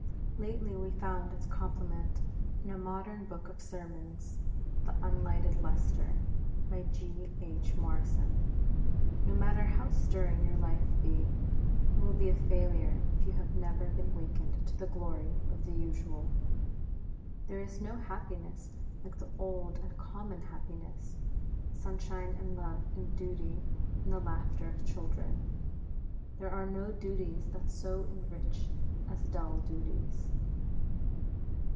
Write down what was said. Lately we found its complement in a modern book of sermons, The Unlighted Lustre, by G. H. Morrison. "No matter how stirring your life be, it will be a failure if you have never been wakened to the glory of the usual. There is no happiness like the old and common happiness, sunshine and love and duty and the laughter of children. ... There are no duties that so enrich as dull duties."